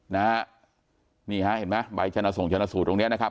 นี่เห็นไหมไบร์ชนส่งชนสูตรตรงเนี้ยนะครับ